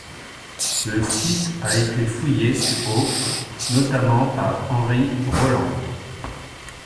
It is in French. Le site a été fouillé au notamment par Henri Rolland.